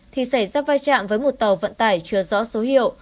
thì xảy ra va chạm với một tàu vận tài chưa rõ số hiệu